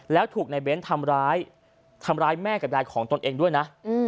แล้วถูกในเบ้นทำร้ายทำร้ายแม่กับยายของตนเองด้วยนะ